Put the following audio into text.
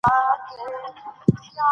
د خپل فرهنګ ساتنه د هر ملت دنده ده.